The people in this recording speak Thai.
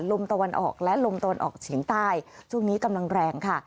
ลมตะวันออกและลมตะวันออกเฉียงใต้ช่วงนี้กำลังแรงค่ะ